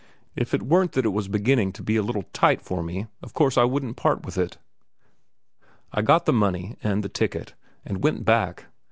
"If it weren't that it was beginning to be a little tight for me, of course I wouldn't part with it." I got the money and the ticket, and went back.